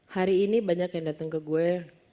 hari ini banyak yang datang ke gue